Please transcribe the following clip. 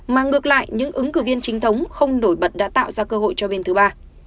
mà ngược lại những ứng cử viên chính thống không nổi bật đã tạo ra cơ hội cho bên thứ ba